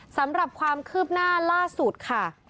สำหรับความคืบหน้าล่าสุดค่ะ